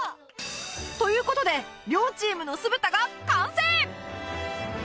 という事で両チームの酢豚が完成